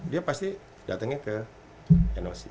dia pasti datangnya ke noc